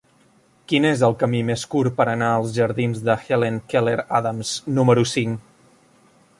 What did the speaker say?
Quin és el camí més curt per anar als jardins de Helen Keller Adams número cinc?